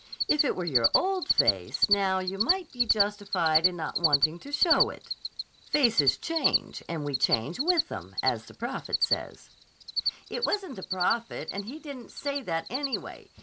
"If it were your old face, now, you might be justified in not wanting to show it. Faces change, and we change with 'em, as the prophet says." "It wasn't the prophet, and he didn't say that, anyway.